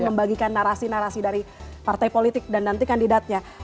membagikan narasi narasi dari partai politik dan nanti kandidatnya